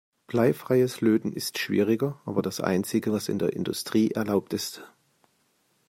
Bleifreies Löten ist schwieriger, aber das einzige, was in der Industrie erlaubt ist.